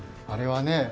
あれはね